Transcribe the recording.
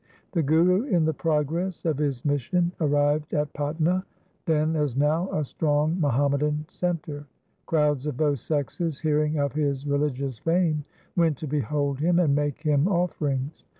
1 The Guru in the progress of his mission arrived at Patna, then as now a strong Muhammadan centre. Crowds of both sexes hearing of his re ligious fame went to behold him and make him offerings.